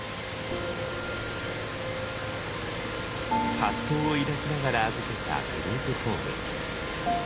葛藤を抱きながら預けたグループホーム。